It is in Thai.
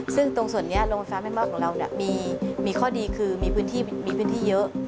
ซึ่งตรงส่วนนี้โรงไฟฟ้าแม่มอดของเรามีข้อดีคือมีพื้นที่เยอะ